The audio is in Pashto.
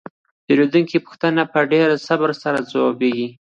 د پیرودونکو پوښتنې په ډیر صبر سره ځوابیږي.